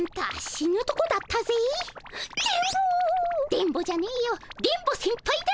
電ボじゃねえよ電ボセンパイだ。